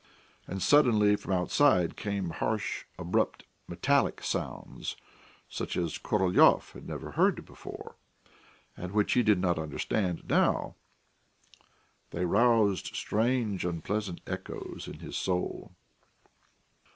And suddenly from outside came harsh, abrupt, metallic sounds, such as Korolyov had never heard before, and which he did not understand now; they roused strange, unpleasant echoes in his soul.